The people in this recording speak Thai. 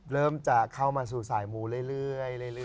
เริ่มจะเข้ามาสู่สายมูเรื่อย